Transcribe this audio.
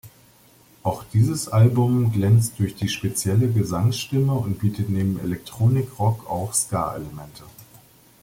Auch dieses Album glänzt durch die spezielle Gesangsstimme und bietet neben Electronic-Rock auch Ska-Elemente.